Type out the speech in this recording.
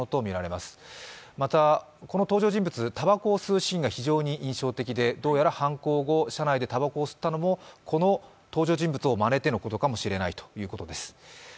また、この登場人物、たばこを吸うシーンが非常に印象的でどうやら犯行後、車内でたばこを吸ったのもこの登場人物をまねてのことかもしれないということです。